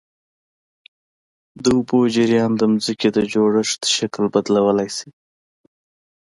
د اوبو جریان د ځمکې د جوړښت شکل بدلولی شي.